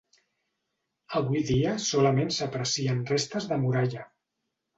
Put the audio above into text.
Avui dia solament s'aprecien restes de muralla.